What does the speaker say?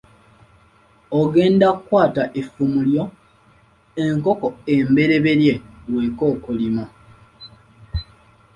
Ogenda kukwata effumu lyo, enkoko embereberye bw’ekookolima.